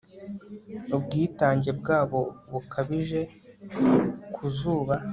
ubwitange bwabo bukabije ku zuba